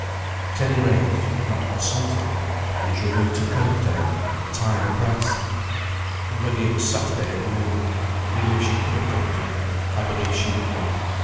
At any rate, she could not consult him. He was removed to Kirkdale, and time pressed. Already it was Saturday at noon. And even if she could have gone to him, I believe she would not.